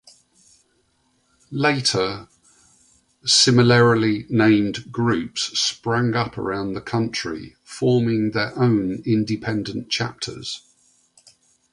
Later, similarly named groups sprang up around the country, forming their own independent chapters.